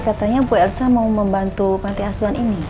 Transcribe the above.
katanya bu elsa mau membantu panti asuhan ini